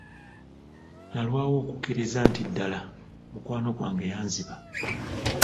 Nalwawo okukikkiriza nti ddala mukwano gwange yanziba.